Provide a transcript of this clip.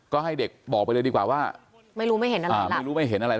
ก็ให้เด็กบอกไปเลยดีกว่าว่าไม่รู้ไม่เห็นอะไรล่ะ